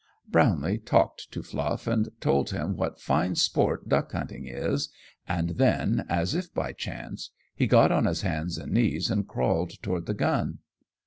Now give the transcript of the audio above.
Brownlee talked to Fluff and told him what fine sport duck hunting is, and then, as if by chance, he got on his hands and knees and crawled toward the gun.